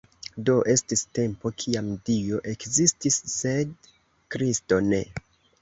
Do estis tempo kiam Dio ekzistis, sed Kristo ne.